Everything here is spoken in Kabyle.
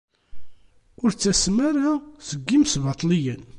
Ur ttasem ara seg yimesbaṭliyen.